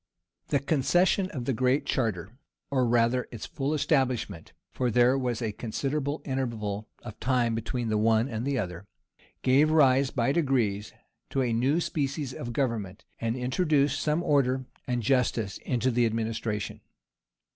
] The concession of the Great Charter, or rather its full establishment, (for there was a considerable interval of time between the one and the other,) gave rise, by degrees, to a new species of government, and introduced some order and justice into the administration.